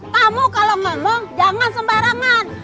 kamu kalau ngomong jangan sembarangan